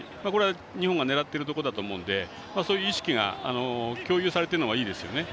日本が狙っていると思うのでそういう意識が共有されてるのはいいですよね。